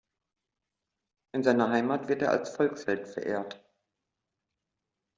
In seiner Heimat wird er als Volksheld verehrt.